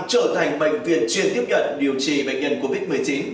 trở thành bệnh viện chuyên tiếp nhận điều trị bệnh nhân covid một mươi chín